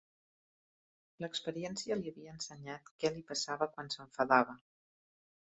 L'experiència li havia ensenyat què li passava quan s'enfadava.